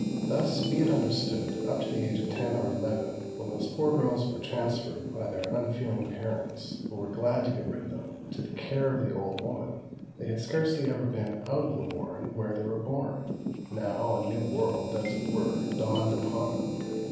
Thus, be it understood, up to the age of ten or eleven, when those poor girls were transferred by their unfeeling parents (who were glad to get rid of them) to the care of the old woman, they had scarcely ever been out of the warren where they were born. Now a new world, as it were, dawned upon them.